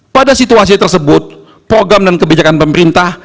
pada situasi tersebut program dan kebijakan pemerintah